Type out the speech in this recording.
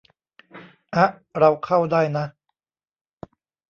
อ๊ะ เราเข้าได้นะ